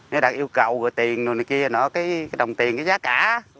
nó đặt yêu cầu rồi tiền rồi này kia nó cái đồng tiền cái giá cả